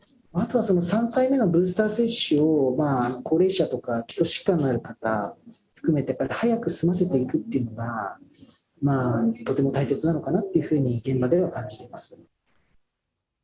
あとは３回目のブースター接種を、高齢者とか基礎疾患のある方含めて早く済ませていくというのが、とても大切なのかなというふうに現場では感じています。